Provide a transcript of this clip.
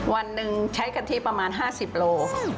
วันหนึ่งใช้กะทิประมาณ๕๐โล